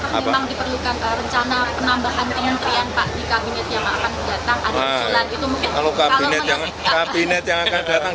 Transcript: pak di kabinet yang akan datang ada jalan itu mungkin kalau kabinet kabinet yang akan datang